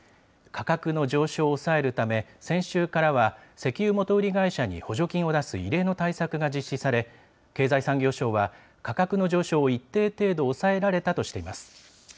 価格の上昇を抑えるため、先週からは石油元売り会社に補助金を出す異例の対策が実施され、経済産業省は価格の上昇を一定程度抑えられたとしています。